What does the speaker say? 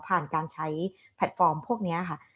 การใช้แพลตฟอร์มพวกนี้ค่ะ